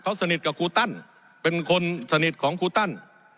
เขาสนิทกับครูตั้นเป็นคนสนิทของครูตั้น